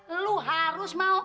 lo harus mau